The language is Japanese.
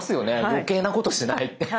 余計なことしないって。